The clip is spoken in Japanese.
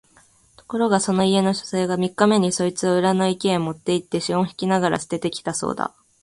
ところがそこの家の書生が三日目にそいつを裏の池へ持って行って四匹ながら棄てて来たそうだ